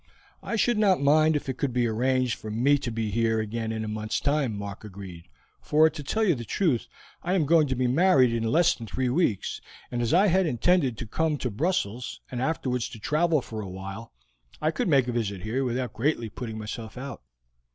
"I should not mind if it could be arranged for me to be here again in a month's time," Mark agreed, "for, to tell you the truth, I am going to be married in less than three weeks, and as I had intended to come to Brussels, and afterwards to travel for a while, I could make a visit here without greatly putting myself out."